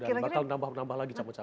dan bakal nambah nambah lagi sama sama